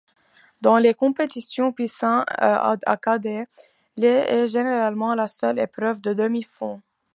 Dans les compétitions poussins à cadets, le est généralement la seule épreuve de demi-fond.